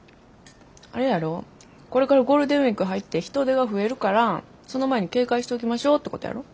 あれやろこれからゴールデンウイーク入って人出が増えるからその前に警戒しておきましょうってことやろ。